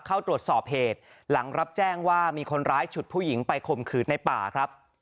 เข้าตรวจสอบเหตุหลังรับแจ้งว่ามีคนร้ายฉุดผู้หญิงไปข่มขืนในป่าครับ